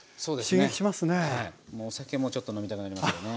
お酒もちょっと飲みたくなりますよね。